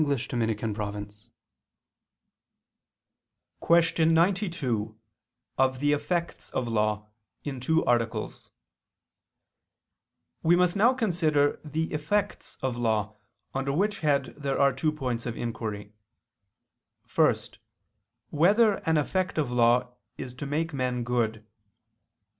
________________________ QUESTION 92 OF THE EFFECTS OF LAW (In Two articles) We must now consider the effects of law; under which head there are two points of inquiry: (1) Whether an effect of law is to make men good?